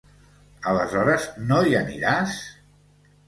Aleshores no hi aniràs?